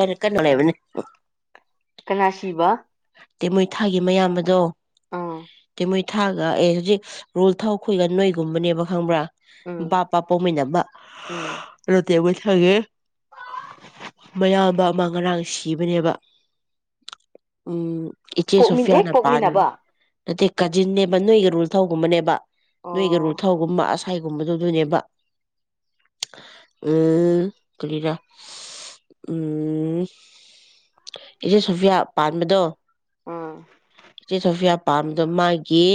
ꯏꯔ ꯀ ꯅꯨꯡꯂꯥꯏꯕꯅꯤ ꯀꯅꯥꯁꯤꯕ ꯇꯦꯃꯣꯏꯊꯥꯒꯤ ꯃꯌꯥꯝ ꯑꯗꯣ ꯑꯥ ꯃꯣꯏ ꯊꯥꯒ ꯑꯦ ꯍꯧꯖꯤꯛ ꯔꯣꯜ ꯊꯥꯎ ꯑꯩꯈꯣꯏꯒ ꯅꯣꯏꯒꯨꯝꯕꯅꯦꯕ ꯈꯪꯕ꯭ꯔꯥ ꯄ ꯎꯝ ꯄꯄꯧꯃꯤꯟꯅꯕ ꯎꯝ ꯔꯣꯇ ꯍꯥꯏꯒꯦ ꯃꯌꯥꯝꯕ ꯑꯃꯥꯡ ꯉꯔꯥꯡ ꯁꯤꯕꯅꯦꯕ ꯎꯝ ꯏꯆꯦ ꯄꯣꯛꯃꯤꯟ ꯍꯦꯛ ꯁꯨꯐꯌꯥꯅ ꯄꯥ ꯅ ꯄꯣꯛꯃꯤꯟꯅꯕ ꯀꯖꯤꯅꯦꯣ ꯔꯨꯜ ꯊꯧꯒꯨꯝꯕꯅꯦꯕ ꯅꯒꯨ ꯑꯣ ꯊꯧꯒꯨꯝꯕ ꯑꯁꯥꯏꯒꯨꯝꯕꯗꯗꯣꯏꯅꯦꯕ ꯎꯝ ꯀꯔꯤꯔ ꯎꯝ ꯏꯆꯦ ꯁꯣꯐꯤꯌꯥ ꯄꯥꯟꯕꯗꯣ ꯑꯥ ꯁꯤꯆꯦ ꯁꯐꯤꯌꯥ ꯄꯥꯥꯝꯗꯣ ꯃꯥꯒꯤ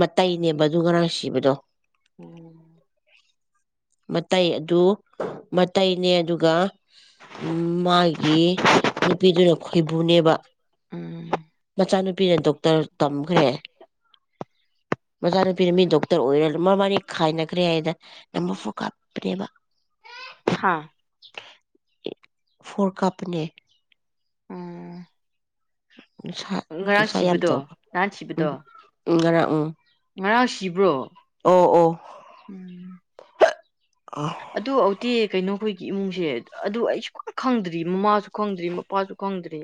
ꯃꯇꯩꯅꯦꯕ ꯑꯗꯨ ꯉꯔꯥꯡ ꯁꯤꯕꯗꯣ ꯎꯝ ꯃꯇꯩ ꯑꯗꯨ ꯃꯇꯩꯅꯦ ꯑꯗꯨꯒ ꯎ ꯃꯥꯒꯤ ꯅꯨꯄꯤꯗꯨꯅ ꯈꯣꯏꯕꯨꯅꯦꯕ ꯎꯝ ꯃꯆꯥꯅꯨꯄꯤꯅ ꯗꯣꯛꯇꯔ ꯇꯝꯈ꯭ꯔꯦ ꯃꯆꯥꯅꯨꯄꯤꯅ ꯃꯤ ꯗꯣꯛꯇꯔ ꯑꯣꯏꯔ ꯃꯔ ꯃ ꯈꯥꯏꯅꯈ꯭ꯔꯦ ꯍꯥꯏꯅ ꯅꯝꯕꯔ ꯐꯣꯔ ꯀꯥꯞꯄꯅꯦꯕ ꯍꯥꯥ ꯐꯣꯔ ꯀꯥꯞꯄꯅꯦ ꯎꯝ ꯍ ꯅꯨꯡꯁꯥ ꯉꯔꯥꯡ ꯅꯨꯡꯁꯥ ꯌꯥꯝ ꯁꯤꯕꯗꯣ ꯇꯧꯕ ꯅꯍꯥꯟ ꯎꯝ ꯁꯤꯕꯗꯣ ꯎ ꯉꯔꯥꯡ ꯎꯝ ꯁꯤꯤꯕ꯭ꯔꯣ ꯑꯣ ꯑꯣ ꯑ ꯑꯗꯨ ꯍꯧꯥꯎꯗꯤꯤ ꯀꯩꯅꯣꯈꯣꯏꯒꯤ ꯏꯃꯨꯡꯁꯦ ꯑꯗꯨ ꯑꯩ ꯁꯨꯛ ꯈꯪꯗ꯭ꯔꯤ ꯃꯃꯥꯁꯨ ꯈꯪꯗ꯭ꯔꯤ ꯃꯄꯥꯁꯨ ꯈꯪꯗ꯭ꯔꯤ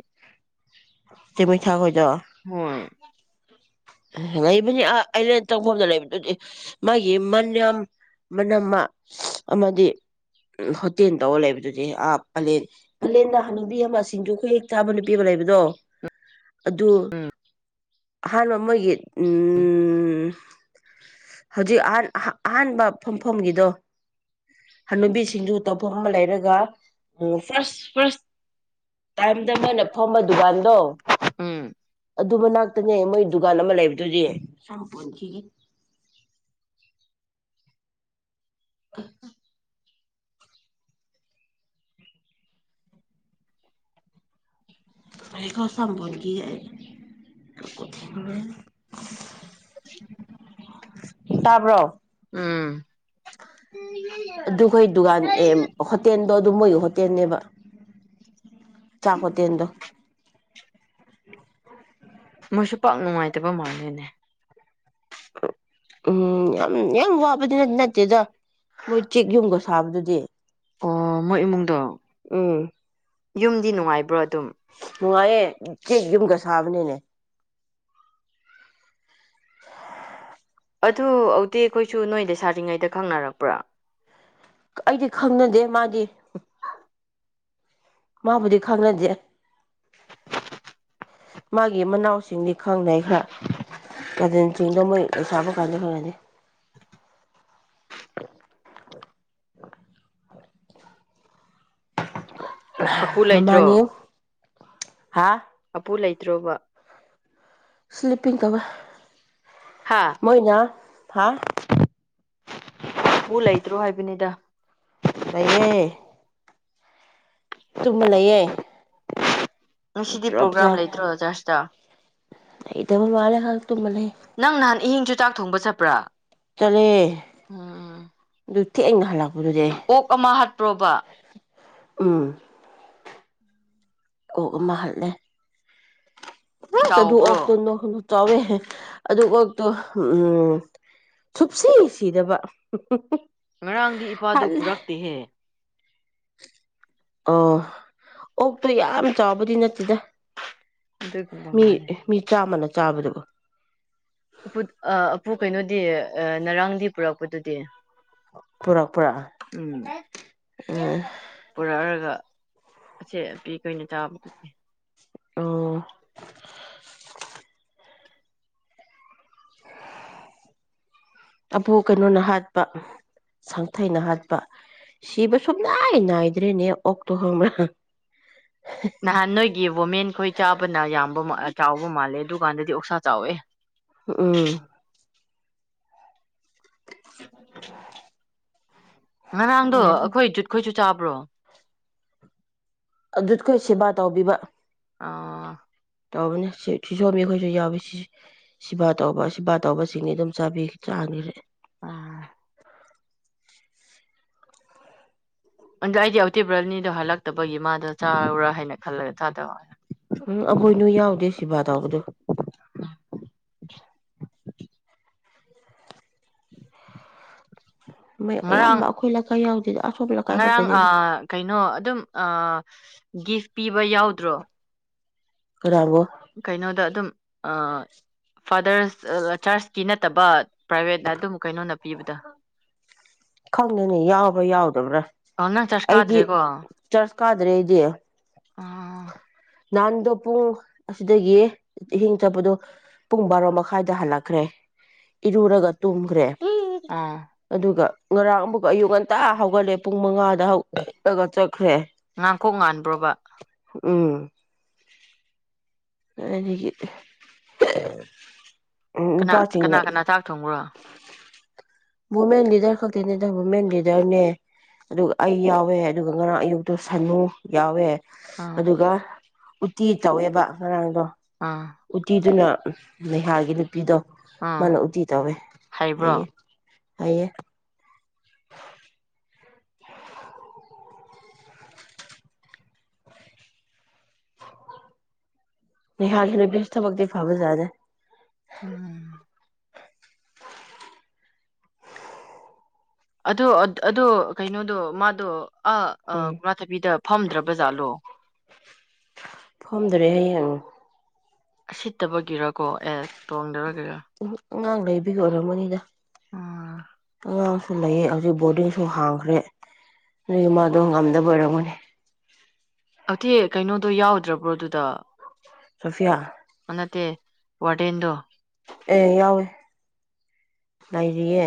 ꯇꯃꯤ ꯊꯥ ꯈꯖꯣ ꯍꯣꯏ ꯂꯩꯕꯅꯤ ꯑ ꯑꯂꯦꯟ ꯇꯧꯐꯝꯗ ꯂꯩꯕꯗꯨꯗꯤ ꯃꯥꯒꯤ ꯃꯅꯌꯥꯝ ꯃꯅꯝꯃ ꯑꯃꯗꯤ ꯍꯣꯇꯦꯜ ꯇꯧꯔ ꯂꯩꯕꯗꯨꯗꯤ ꯑꯥ ꯄꯥꯂꯦꯟ ꯄꯂꯦꯟꯗ ꯍꯅꯕꯤ ꯑꯃ ꯁꯤꯡꯖꯨ ꯈꯨꯌꯦꯛꯦꯛ ꯆꯥꯕ ꯅꯨꯄꯤ ꯑꯃ ꯂꯩꯕꯗꯣ ꯑꯗꯨ ꯍ ꯃꯥ ꯃꯌꯦꯛꯠ ꯎ ꯍꯧꯖꯤꯛ ꯑꯍ ꯑꯍꯥꯟꯕ ꯐꯝꯐꯝꯒꯤꯗꯣ ꯍꯅꯕꯤ ꯁꯤꯡꯖꯨ ꯇꯧꯐꯝ ꯑꯃ ꯂꯩꯔꯒ ꯐꯥꯔꯁ ꯐꯥꯔꯁ ꯇꯥꯏꯝꯗ ꯑꯃꯅ ꯐꯝꯕ ꯗꯨꯀꯥꯟꯗꯣ ꯎꯝ ꯑꯗꯨ ꯃꯅꯥꯛꯇꯅꯦ ꯃꯣꯏ ꯗꯨꯀꯥꯟ ꯑꯃ ꯂꯩꯕꯗꯨꯗꯤ ꯑ [unintelligible] [inaudible] ꯑꯩ ꯀ ꯁꯝꯝꯕꯒꯤ [unintelligible] [inaudible] ꯇꯥꯕ꯭ꯔꯣ ꯎꯝ ꯑꯗꯨ ꯈꯣꯏ ꯗꯨꯒꯥꯟ ꯑꯦ ꯍꯣꯇꯦꯟꯗꯣ ꯑꯗꯨ ꯃꯣꯏꯒꯤ ꯍꯣꯇꯦꯟꯅꯦꯕ ꯆꯥꯛ ꯍꯣꯇꯦꯟꯗꯣ ꯃꯣꯏꯁꯨ ꯄꯥꯛ ꯅꯨꯡꯉꯥꯏꯇꯕ ꯃꯥꯂꯦꯅꯦ ꯎꯝ ꯌꯥꯝ ꯌꯥꯝ ꯋꯥꯕꯗꯤꯅꯗꯤ ꯅꯠꯇꯦꯗ ꯃꯣꯏ ꯆꯦꯛ ꯌꯨꯝꯒ ꯁꯥꯕꯗꯨꯗꯤ ꯑꯣ ꯃꯣꯏ ꯏꯃꯨꯡꯗꯣ ꯎꯝ ꯌꯨꯝꯗꯤ ꯅꯨꯡꯉꯥꯏꯕ꯭ꯔꯣ ꯑꯗꯨꯝ ꯅꯨꯡꯉꯥꯏꯌꯦ ꯆꯦꯛ ꯌꯨꯝꯒ ꯁꯥꯕꯅꯤꯅꯦ ꯑꯗꯨ ꯑꯧꯇꯤ ꯈꯣꯏꯁꯨ ꯅꯣꯏ ꯂꯩꯁꯥꯔꯤꯉꯩꯗ ꯈꯪꯅꯔꯛꯄ꯭ꯔꯥ ꯑꯩꯗꯤ ꯈꯪꯅꯗꯦ ꯃꯥꯗꯤ ꯃꯥꯕꯨꯗꯤ ꯈꯪꯅꯗꯦ ꯃꯥꯒꯤ ꯃꯅꯥꯎꯁꯤꯡꯗꯤ ꯈꯪꯅꯩ ꯈꯔ ꯗꯦꯟꯁꯤꯡꯗꯣ ꯃꯣꯏ ꯂꯩ ꯁꯥꯥꯕ ꯀꯥꯟꯗ ꯐꯔꯅꯤ ꯑꯄꯨ ꯂꯩꯇ꯭ꯔꯣ ꯃꯃꯥꯅꯤ ꯍꯥꯥ ꯄꯨ ꯂꯩꯇ꯭ꯔꯣꯕ ꯁ꯭ꯂꯤꯞꯄꯤꯡ ꯀꯧꯋꯦ ꯍꯥ ꯃꯣꯏꯅꯥ ꯍꯥꯥ ꯑꯄꯨ ꯂꯩꯇ꯭ꯔꯣ ꯍꯥꯏꯕꯅꯤꯗ ꯅꯩꯌꯦ ꯇꯨꯝꯃ ꯂꯩꯌꯦ ꯉꯁꯤꯗꯤ ꯇꯣꯂꯣꯞ ꯆꯥ ꯄ꯭ꯔꯣꯒ꯭ꯔꯥꯝ ꯂꯩꯇ꯭ꯔꯣ ꯆꯔꯁꯇ ꯂꯩꯇꯕ ꯃꯥꯜꯂꯦ ꯍꯪ ꯅꯪ ꯅꯍꯥꯟ ꯏꯍꯤꯡꯁꯨ ꯆꯥꯛ ꯊꯣꯡꯕ ꯆꯠꯄ꯭ꯔꯥ ꯆꯂꯦ ꯎꯝ ꯗꯨꯠ ꯊꯦꯡꯅ ꯍꯂꯛ ꯑꯣꯛ ꯑꯃ ꯍꯥꯠ ꯄꯔꯣꯕ ꯎꯝ ꯑꯣꯛ ꯑꯃ ꯍꯠꯂꯦ ꯑꯁ ꯑꯗꯨ ꯑꯣꯛ ꯇꯨ ꯆꯥꯎꯕ꯭ꯔꯣ ꯅꯣ ꯍ [unintelligible] ꯆꯥꯎꯋꯦ ꯑꯗꯨ ꯑꯣꯛꯇꯣ ꯎꯝ ꯁꯨꯞꯁꯤ ꯁꯤꯗꯕ ꯉꯔꯥꯡꯗꯤ ꯏꯄꯥꯗꯨ ꯍꯠꯂꯦ ꯄꯨꯔꯛꯇꯦꯍꯦ ꯑꯣ ꯑꯣꯛꯇꯣ ꯌꯥꯝ ꯆꯥꯎꯕꯗꯤ ꯅꯠꯇꯦꯗ ꯑꯗꯨꯒꯨꯝꯕ ꯃꯤ ꯃꯥꯜꯂꯦ ꯃꯤ ꯆꯥ ꯃꯅꯥ ꯆꯥꯕꯗꯕ ꯑꯄꯨ ꯀꯩꯅꯣꯗꯤ ꯉꯔꯥꯡꯗꯤ ꯄꯨꯔꯛꯄꯗꯨꯗꯤ ꯄꯨꯔꯛꯄ꯭ꯔꯥ ꯎꯝ ꯎꯝ ꯄꯨꯔꯛꯔꯒ ꯑꯁꯦꯄꯤ ꯀꯩꯅ ꯆꯥꯕꯗꯨꯗꯤ ꯑꯣ ꯑꯕꯣ ꯀꯩꯅꯣꯅ ꯍꯥꯠꯄ ꯁꯪꯊꯩꯅ ꯍꯥꯠꯄ ꯁꯤꯕ ꯁꯨꯝ ꯅꯥꯏ ꯅꯥꯏꯗ꯭ꯔꯦꯅꯦ ꯑꯣꯛꯇꯣ ꯍꯣꯡꯕ ꯅꯍꯥꯟ ꯅꯣꯏꯒꯤ ꯋꯨꯃꯦꯟ ꯈꯣꯏ ꯆꯥꯕꯅ ꯌꯥꯝꯕꯃꯛꯑ ꯆꯥꯎꯕ ꯃꯥꯜꯂꯦ ꯗꯨꯀꯥꯟꯗꯗꯤ ꯑꯣꯁꯥ ꯆꯥꯎꯋꯦ ꯑꯥ [inaudible] ꯉꯔꯥꯡꯗꯣ ꯑꯩꯈꯣꯏ ꯖꯨꯠꯈꯣꯏꯨꯠ ꯆꯥꯕ꯭ꯔꯣ ꯑꯗꯨꯈꯣꯏ ꯁꯦꯕꯥ ꯇꯧꯕꯤꯕ ꯑ ꯇꯧꯕꯅꯤ ꯁꯤꯖꯣꯝ ꯃꯤ ꯑꯩꯈꯣꯏꯁꯨ ꯌꯥꯎꯋꯤ ꯁꯤ ꯁꯤꯕꯥ ꯇꯧꯕ ꯁꯤꯕꯥ ꯇꯧꯕꯁꯤꯡꯅꯤ ꯑꯗꯨꯝ ꯆꯥꯕꯤ ꯆꯥꯡꯈꯔꯦ ꯑꯥ ꯑꯗꯨꯗꯣ ꯑꯩꯗꯤ ꯑꯇꯤꯕ꯭ꯔꯅꯤꯗꯣ ꯍꯜꯂꯛꯇꯕꯒꯤ ꯃꯥꯗꯣ ꯆꯥꯔꯨꯔꯥ ꯍꯥꯏꯅ ꯈꯜꯂꯒ ꯆꯥꯗꯕ ꯎꯝ ꯑꯕꯣꯏꯅꯨ ꯌꯥꯎꯗꯦ ꯁꯤꯕꯥ ꯇꯧꯕꯗꯣ ꯉꯔꯥꯡ ꯑꯌꯥꯝꯕ ꯑꯩꯈꯣꯏ ꯂꯩꯀꯥꯏ ꯌꯥꯎꯗꯦꯗ ꯑꯇꯣꯞꯄ ꯂꯩꯀꯥꯏ ꯈꯛꯇꯗꯗ ꯑꯥ ꯒꯤꯐ ꯄꯤꯕ ꯌꯥꯎꯗ꯭ꯔꯣ ꯀꯅꯥꯒꯣ ꯀꯩꯅꯣꯗ ꯑꯗꯨꯝ ꯑ ꯐꯥꯗꯔꯁ ꯆꯔꯁꯀꯤ ꯅꯠꯇꯕ ꯄ꯭ꯔꯥꯏꯚꯦꯠꯅ ꯑꯗꯨꯝ ꯀꯩꯅꯣꯗ ꯄꯤꯕꯗ ꯈꯪꯗꯅꯤ ꯌꯥꯎꯕ꯭ꯔꯥ ꯌꯥꯎꯗꯕ꯭ꯔꯥ ꯑ ꯅꯪ ꯆꯔꯆ ꯑꯩꯗꯤ ꯀꯥꯗ꯭ꯔꯦꯀꯣ ꯆꯔꯆ ꯀꯥꯗ꯭ꯔꯦ ꯑꯩꯗꯤ ꯑꯥ ꯅꯍꯥꯟꯗꯣ ꯄꯨꯡ ꯑꯁꯤꯗꯒꯤ ꯏꯍꯤꯡ ꯆꯠꯄꯗꯣ ꯄꯨꯡ ꯕꯥꯔꯣ ꯃꯈꯥꯏꯗ ꯍꯜꯂꯛꯈ꯭ꯔꯦ ꯏꯔꯨꯔꯒ ꯇꯣꯡꯈ꯭ꯔꯦ ꯑꯗꯨꯒ ꯉꯔꯥꯡ ꯑꯃꯨꯛ ꯑꯌꯨꯛ ꯉꯟꯇꯥ ꯍꯧꯒꯠꯂꯦ ꯄꯨꯡ ꯃꯉꯥꯗ ꯍꯧꯠꯂꯒ ꯆꯠꯈ꯭ꯔꯦ ꯉꯥꯡꯀꯣꯛ ꯉꯥꯟꯕ꯭ꯔꯣꯕ ꯎꯝ ꯅꯤꯒꯤ ꯀꯅꯥ ꯀꯅꯥ ꯀꯅꯥ ꯆꯥꯛ ꯊꯣꯡꯕ꯭ꯔꯣ ꯋꯨꯃꯦꯟ ꯂꯤꯗꯔ ꯈꯛꯇꯤꯅꯦꯗ ꯋꯨꯃꯦꯟ ꯂꯤꯗꯔꯅꯦ ꯑꯗꯨꯒ ꯑꯩ ꯌꯥꯎꯋꯦ ꯑꯗꯨꯒ ꯉꯔꯥꯡ ꯑꯌꯨꯛꯇꯣ ꯁꯅꯨ ꯌꯥꯎꯋꯦ ꯑꯥ ꯑꯗꯨꯒ ꯎꯇꯤ ꯇꯧꯋꯦꯕ ꯍꯔꯥꯡꯗꯣ ꯑꯥ ꯎꯇꯤꯗꯨꯅ ꯅꯤꯍꯥꯒꯤ ꯅꯨꯄꯤꯗꯣ ꯑꯥ [inaudible] ꯍꯩꯕ꯭ꯔꯣ ꯍꯥꯏꯌꯦ [inaudible] ꯊꯕꯛꯗꯤ ꯐꯥꯕ ꯌꯥꯗꯦ ꯎꯝ ꯑꯗꯣ ꯑꯗꯣ ꯀꯩꯅꯣꯗꯣ ꯃꯥꯗꯣ ꯑ ꯑ ꯎꯝ ꯀꯅꯥꯥꯊꯕꯤꯗ ꯐꯝꯗ꯭ꯔꯕꯖꯥꯠꯂꯣ ꯐꯣꯝꯗꯣꯔꯦ ꯍꯌꯦꯡ ꯁꯤꯠꯇꯕꯒꯤꯔꯀꯣ ꯑꯦ ꯇꯣꯡꯗꯔꯒ [inaudible] ꯑꯉꯥꯡ ꯂꯩꯕꯒꯤ ꯑꯣꯏꯔꯝꯃꯅꯤꯗ ꯑꯥ ꯑꯉꯥꯡꯁꯨ ꯂꯩꯌꯦ ꯍꯧꯖꯤꯛ ꯕꯣꯔꯗꯤꯡꯁꯨ ꯍꯥꯡꯈ꯭ꯔꯦ ꯑꯗꯨꯗꯒꯤ ꯃꯗꯣ ꯉꯝꯗꯕ ꯑꯣꯏꯔꯝꯒꯅꯤ ꯑꯗꯨꯇꯦ ꯀꯩꯅꯣꯗꯣ ꯌꯥꯎꯗ꯭ꯔꯕ꯭ꯔꯣ ꯑꯗꯨꯗ ꯁꯣꯐꯤꯌꯥ ꯅꯠꯇꯦ ꯋꯥꯔꯗꯦꯟꯗꯣ ꯑꯦ ꯌꯥꯎꯋꯦ ꯂꯩꯔꯤꯌꯦ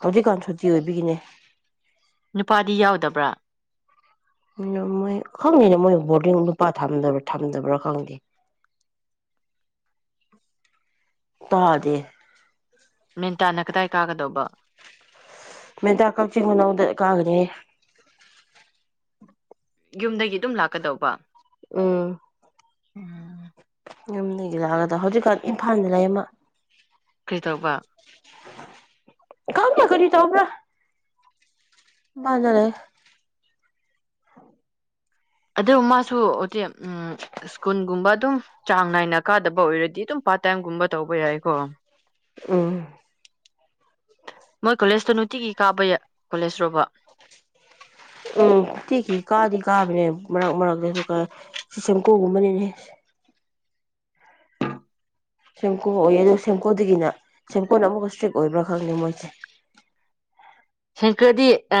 ꯍꯧꯖꯤꯛꯀꯥꯟ ꯁꯨꯇꯤ ꯑꯣꯏꯕꯤꯒꯤꯅꯦ ꯅꯨꯄꯥꯗꯤ ꯌꯥꯎꯗꯕ꯭ꯔꯥ ꯎ ꯃꯣꯏ ꯈꯪꯗꯦꯅ ꯃꯣꯏ ꯕꯣꯔꯗꯤꯡ ꯂꯨꯄꯥ ꯊꯕ꯭ꯔꯥ ꯊꯝꯗꯕ꯭ꯔꯥ ꯈꯪꯗꯦ ꯇꯥꯖꯦ ꯃꯦꯟꯇꯥꯅ ꯀꯗꯥꯏ ꯀꯥꯒꯗꯧꯕ ꯃꯦꯟꯇ ꯀꯛꯆꯤꯡ ꯈꯨꯅꯧꯗꯀꯥꯒꯅꯦ ꯌꯨꯝꯗꯒꯤ ꯑꯗꯨꯝ ꯂꯥꯛꯀꯗꯧꯕ ꯎꯝ ꯎꯝ ꯌꯨꯝꯒꯤ ꯂꯥꯛꯑꯒꯗ ꯍꯧꯖꯤꯛꯀꯥꯟ ꯏꯝꯐꯥꯜꯗ ꯂꯩ ꯑꯃ ꯀꯔꯤ ꯇꯧꯕꯥ ꯀꯝ ꯀꯌꯥ ꯈꯔꯤ ꯇꯕ꯭ꯔ [inaudible] ꯑꯗꯨ ꯃꯥꯁꯨ ꯑꯣꯇꯦꯛ ꯎꯝ ꯁ꯭ꯀꯨꯜꯒꯨꯝꯕ ꯑꯗꯨꯝ ꯆꯥꯡ ꯅꯥꯏꯅ ꯀꯥꯗꯕ ꯑꯣꯏꯔꯗꯤ ꯑꯗꯨꯝ ꯄꯥꯔꯠ ꯇꯥꯏꯝꯒꯨꯝꯕ ꯇꯧꯕ ꯌꯥꯏꯀꯣ ꯑ ꯃꯣꯏ ꯀꯣꯂꯦꯖꯇ ꯅꯨꯡꯇꯤꯒꯤ ꯀꯥꯕ ꯀꯣꯂꯦꯖꯔꯣꯕ ꯎꯝ ꯇꯤꯈꯤ ꯀꯥꯗꯤ ꯀꯥꯕꯅꯦ ꯃꯔꯛ ꯃꯔꯛꯇꯁꯨ ꯁꯤꯁꯦꯝꯀꯨꯒꯨꯝꯕꯅꯤꯅꯦ ꯁꯦꯝꯄꯀꯨ ꯑꯣꯏꯌꯦ ꯑꯗꯨ ꯁꯦꯝꯄꯀꯨꯗꯒꯤꯅ ꯁꯦꯝꯄꯨꯅ ꯑꯃꯨꯛꯀ ꯏꯁꯇ꯭ꯔꯤꯛ ꯑꯣꯏꯕ꯭ꯔꯥ ꯈꯪꯅꯤꯦ ꯃꯣꯏꯁꯦ ꯁꯦꯡꯀꯔꯗꯤ ꯑ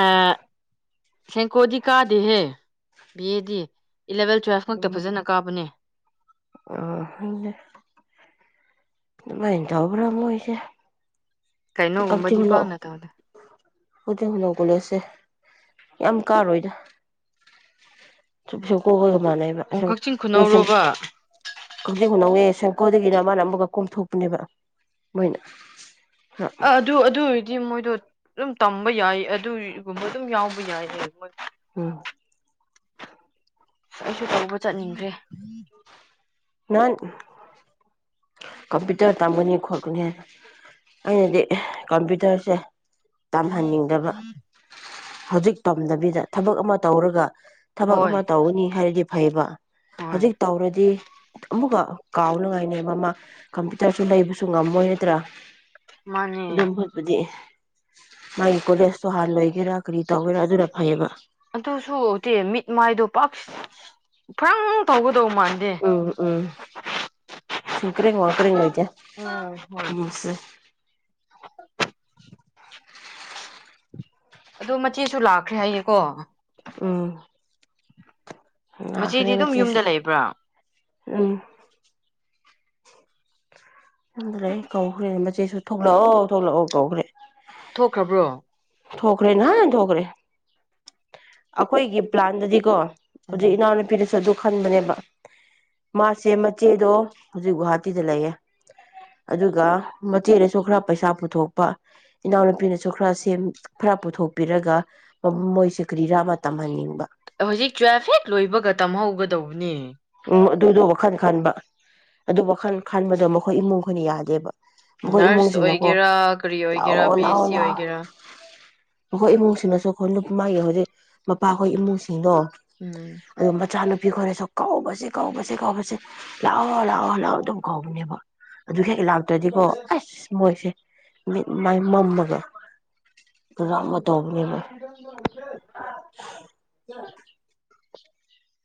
ꯁꯦꯡꯀꯣꯗꯤ ꯀꯥꯗꯦꯍꯦ ꯕꯤꯗꯤ ꯏꯂꯦꯚꯦꯜ ꯇꯨꯋꯦꯜꯐ ꯈꯛꯇ ꯎꯝ ꯐꯖꯅ ꯀꯥꯕꯅꯦ ꯑꯥ ꯃꯥꯏꯅ ꯇꯧꯕꯔꯥ ꯃꯣꯏꯁꯦ ꯀꯛꯆꯤꯡ ꯀꯩꯅꯣꯒꯨꯝꯕꯗꯤ ꯍꯨꯅꯧ ꯄꯥꯎꯅ ꯇꯧꯗꯦ ꯀꯛꯆꯤꯡ ꯈꯨꯅꯩ ꯀꯣꯂꯦꯖꯁꯦ ꯌꯥꯝ ꯀꯥꯔꯣꯏꯗ ꯆꯀꯣ ꯑꯣꯏ [inaudible] [inaudible] ꯑꯣ ꯀꯛꯆꯤꯡ ꯈꯨꯅꯧꯔꯣꯕ [unintelligible] ꯀꯣꯗꯒꯤꯅ ꯃꯥꯅ ꯑꯃꯨꯛꯀ ꯀꯣꯝꯊꯣꯛꯄꯅꯦꯕ ꯃꯣꯏꯅ ꯑ ꯑꯗꯨ ꯑꯗꯨ ꯑꯣꯏꯔꯗꯤ ꯃꯣꯏꯗꯣ ꯑꯗꯨꯝ ꯇꯝꯕ ꯌꯥꯏ ꯑꯗꯨꯏ ꯒꯨꯨꯝꯕ ꯗꯨꯝ ꯌꯥꯎꯕ ꯌꯥꯏꯍꯦ ꯃꯣꯏ ꯎꯝ ꯑꯩꯁꯨ ꯇꯧꯕ ꯆꯠꯅꯤꯡꯗ꯭ꯔꯦ ꯅꯍꯥꯟ ꯀꯝꯄꯨꯇꯔ ꯇꯝꯒꯅꯤ ꯈꯣꯠꯀꯅꯤꯅ ꯑꯩꯅꯗꯤ ꯀꯝꯄ꯭ꯌꯨꯇꯔꯁꯦ ꯇꯝꯍꯟꯅꯤꯡꯗꯕ ꯍꯧꯖꯤꯛ ꯇꯝꯗꯕꯤꯗ ꯊꯕꯛ ꯑꯃ ꯇꯧꯔꯒ ꯊꯕꯛ ꯍꯣꯏ ꯑꯃ ꯇꯧꯒꯅꯤ ꯍꯥꯏꯔꯗꯤ ꯐꯩꯕ ꯍꯣꯏ ꯍꯧꯖꯤꯛ ꯇꯧꯔꯗꯤ ꯑꯃꯨꯛꯀ ꯀꯥꯎꯅ ꯉꯥꯏꯅꯦꯕ ꯃꯥ ꯀꯝꯄ꯭ꯌꯨꯇꯔꯁꯨ ꯂꯩꯕꯁꯨ ꯉꯝꯃꯣꯏ ꯅꯠꯇ꯭ꯔꯥ ꯃꯥꯅꯦ ꯑꯗꯨꯝ ꯍꯣꯏꯄ ꯗꯤ ꯃꯥꯒꯤ ꯀꯣꯂꯦꯖꯇꯣ ꯍꯥꯟꯅ ꯂꯣꯏꯒꯦꯔꯥ ꯀꯔꯤ ꯇꯧꯒꯦꯔꯥ ꯑꯗꯨꯅ ꯐꯩꯌꯦꯕ ꯑꯗꯨꯁꯨ ꯇꯦ ꯃꯤꯠ ꯃꯥꯏꯗꯣ ꯄꯥꯛ ꯐ꯭ꯔꯪ ꯇꯧꯒꯗꯧ ꯃꯥꯟꯗꯦ ꯎꯝ ꯎꯝ ꯁꯤꯀꯔꯤꯡ ꯋꯥꯀꯔꯤꯡ ꯂꯩꯇꯦ꯫ ꯎꯝ ꯍꯣꯏ ꯎꯝ ꯍꯨꯝ ꯑꯗꯣ ꯃꯆꯦꯁꯨ ꯂꯥꯛꯈ꯭ꯔꯦ ꯍꯥꯏꯌꯦꯀꯣ ꯎꯝ ꯅꯥꯈ꯭ꯔꯦ ꯃꯆꯦꯗꯤ ꯗꯨꯝ ꯃꯆꯦꯁꯨ ꯌꯨꯝꯗ ꯂꯩꯕ꯭ꯔꯣ ꯎꯝ ꯌꯨꯝꯗ ꯂꯩ ꯀꯧꯈ꯭ꯔꯦ ꯃꯆꯦꯁꯨ ꯊꯣꯛꯂꯛꯑꯣ ꯊꯣꯛꯂꯛꯑꯣ ꯀꯧꯈ꯭ꯔꯦ ꯊꯣꯛꯈ꯭ꯔꯕ꯭ꯔꯣ ꯊꯣꯛꯈ꯭ꯔꯦ ꯉꯍꯥꯟ ꯊꯣꯛꯈ꯭ꯔꯦ ꯑꯩꯈꯣꯏꯒꯤ ꯄ꯭ꯂꯥꯟꯗꯗꯤꯀꯣ ꯍꯧꯖꯤꯛ ꯎꯝ ꯏꯅꯥꯎ ꯅꯨꯄꯤ ꯗꯨꯁꯨ ꯑꯗꯨꯛ ꯈꯟꯕꯅꯦꯕ ꯃꯥꯁꯦ ꯃꯆꯦꯗꯣ ꯍꯧꯖꯤꯛ ꯒꯨꯍꯥꯇꯤꯗ ꯂꯩꯌꯦ ꯑꯗꯨꯒ ꯃꯆꯦꯅꯁꯨ ꯈꯔ ꯄꯩꯁꯥ ꯄꯨꯊꯣꯛꯄ ꯏꯅꯥꯎꯅꯨꯄꯤꯅꯁꯨ ꯈꯔ ꯁꯦꯝ ꯈꯔ ꯄꯨꯊꯣꯛꯄꯤꯔꯒ ꯃꯣꯏꯁꯦ ꯀꯔꯤꯔꯥ ꯑꯃ ꯇꯝꯍꯟꯅꯤꯡꯕ ꯇꯧꯕꯅꯦ ꯑꯗꯨꯗꯣ ꯋꯥꯈꯜ ꯈꯟꯕ ꯑꯗꯨ ꯋꯥꯈꯜ ꯈꯟꯕꯗꯣ ꯃꯈꯣꯏ ꯏꯃꯨꯡꯈꯣꯏꯅ ꯌꯥꯗꯦꯕ ꯃꯈꯣꯏ ꯅꯔꯁ ꯏꯃꯨꯡꯁꯤꯡꯅꯀꯣ ꯑꯣꯏꯒꯦꯔꯥ ꯀꯔꯤ ꯑꯣꯏꯒꯦꯔꯥ ꯂꯥꯛꯑꯣ ꯕꯤ ꯑꯦꯁ ꯂꯥꯛꯑꯣ ꯁꯤ ꯂꯥꯛꯑꯣ ꯑꯣꯏꯒꯦꯔꯥ ꯃꯈꯣꯏ ꯏꯃꯨꯡꯁꯤꯡꯅꯁꯨ ꯈꯣ ꯃꯥꯒꯤ ꯍꯧꯖꯤꯛ ꯃꯄꯥꯈꯣꯏ ꯏꯃꯨꯡꯁꯤ ꯑꯗꯣ ꯎꯝ ꯃꯆꯥꯅꯨꯄꯤ ꯄꯤ ꯈꯣꯏꯅꯁꯨ ꯀꯧꯕꯁꯦ ꯀꯧꯕꯁꯦ ꯀꯧꯕꯁꯦ ꯂꯥꯛꯑꯣ ꯂꯥꯛꯑꯣ ꯂꯥꯛꯑꯣ ꯑꯗꯨꯝ ꯀꯧꯕꯅꯦꯕ ꯑꯗꯨ ꯍꯦꯛ ꯂꯥꯛꯇ꯭ꯔꯗꯤꯀꯣ ꯑꯩꯁ ꯃꯣꯏꯁꯦ ꯃꯤꯠ ꯃꯥꯏ ꯃꯝꯃꯒ ꯀꯌꯤꯅꯣꯃ ꯇꯧꯕꯅꯦꯕ